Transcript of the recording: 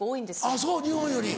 あぁそう日本より。